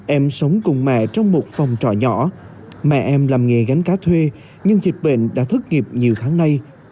em sống cùng mẹ trong một phòng trọ nhỏ mẹ em làm nghề gánh cá thuê nhưng dịch bệnh đã thất nghiệp nhiều tháng nay